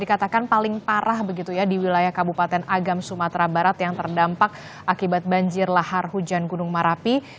dikatakan paling parah begitu ya di wilayah kabupaten agam sumatera barat yang terdampak akibat banjir lahar hujan gunung merapi